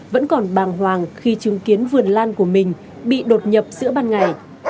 vẫn còn bàng hoàng khi chứng kiến vườn lan của mình bị đột nhập giữa ban ngày